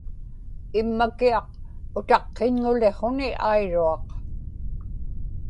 immakiaq utaqqiñŋuliqł̣uni airuaq